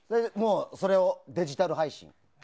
それをデジタル配信。